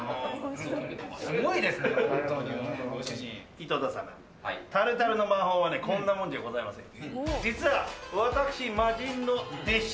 井戸田様、タルタルの魔法はこんなもんじゃございません。